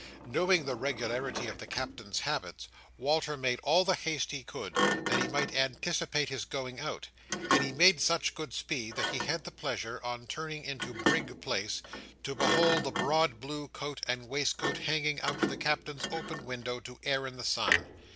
Knowing the regularity of the Captain's habits, Walter made all the haste he could, that he might anticipate his going out; and he made such good speed, that he had the pleasure, on turning into Brig Place, to behold the broad blue coat and waistcoat hanging out of the Captain's open window, to air in the sun.